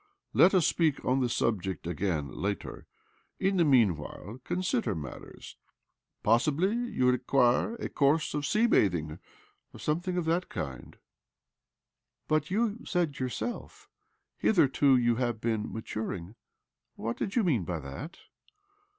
Let us speak on the subject again later, and in the mean while consider matters. Possibly you require a course of sea bathing, or something of the kind." "But you said to yourself :' Hitherto you have been maturing.' What did you mean by that